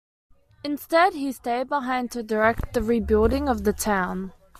Instead, he stayed behind to direct the rebuilding of the town.